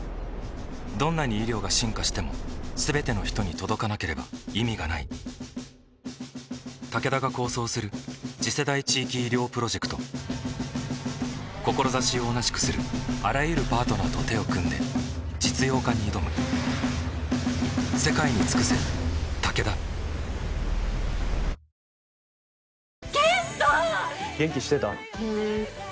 どんなに医療が進化しても全ての人に届かなければ意味がないタケダが構想する次世代地域医療プロジェクト志を同じくするあらゆるパートナーと手を組んで実用化に挑む［輝いて生きる人を潤す取って置きの１時間］